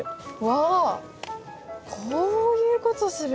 わこういうことするんだ。